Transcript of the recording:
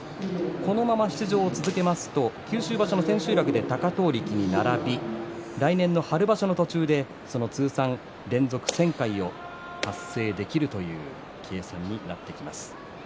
このまま出場を続けますと九州場所の千秋楽で貴闘力に並び来年の春場所の途中で通算連続１０００回を達成できるという計算になってきます。